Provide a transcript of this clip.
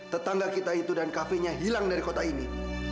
tetangga kita itu dan kafenya hilang dari kota ini